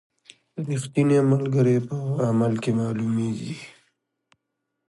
رښتینی ملګری په عمل کې معلومیږي.